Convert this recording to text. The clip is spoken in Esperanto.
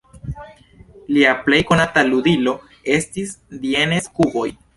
Lia plej konata ludilo estis "Dienes-kuboj".